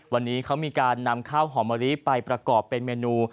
วันนี้เขามีการนำข้าวหอมมะลิไปประกอบเป็นเมนู